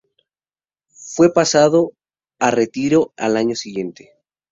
Fue pasado a retiro al año siguiente.